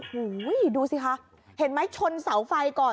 โอ้โหดูสิคะเห็นไหมชนเสาไฟก่อน